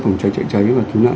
phòng cháy chạy cháy và cứu nạn